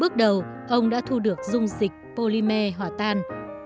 bước đầu ông đã thu được dung dịch polymer hỏa tan